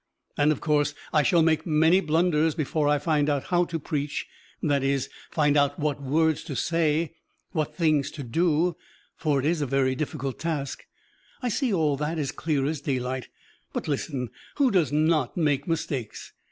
And of course I shall make many blunders before I find out how to preach, that is, find out what words to say, what things to do, for it is a very difficult task. I see all that as clear as daylight, but, listen, who does not make mistakes?